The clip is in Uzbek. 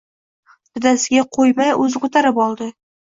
Dadasiga qoʻymay oʻzi koʻtarib oldi.